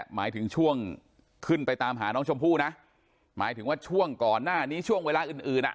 หมายถึงช่วงขึ้นไปตามหาน้องชมพู่นะหมายถึงว่าช่วงก่อนหน้านี้ช่วงเวลาอื่นอื่นอ่ะ